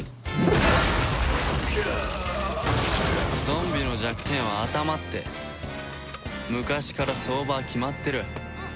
ゾンビの弱点は頭って昔から相場は決まってる。